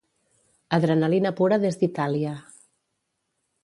Adrenalina pura des d'Itàlia